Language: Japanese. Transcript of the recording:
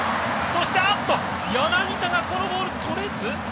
そして、柳田がこのボールとれず。